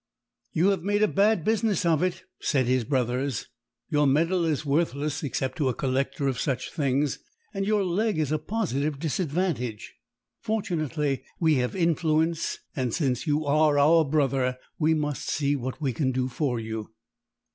"You have made a bad business of it," said his brothers. "Your medal is worthless except to a collector of such things, and your leg a positive disadvantage. Fortunately we have influence, and since you are our brother we must see what we can do for you."